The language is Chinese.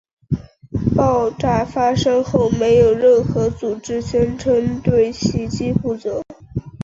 爆炸发生后没有任何组织宣称对袭击负责。